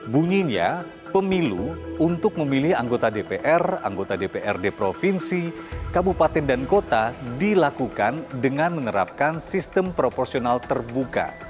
bunyinya pemilu untuk memilih anggota dpr anggota dprd provinsi kabupaten dan kota dilakukan dengan menerapkan sistem proporsional terbuka